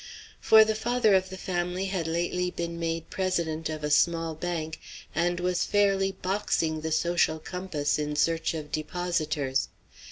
For the father of the family had lately been made president of a small bank, and was fairly boxing the social compass in search of depositors.